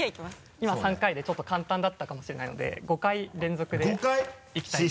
今３回でちょっと簡単だったかもしれないので５回連続でいきたいと。